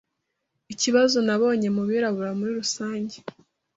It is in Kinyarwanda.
Ikibazo gikomeye nabonye mu birabura muri rusange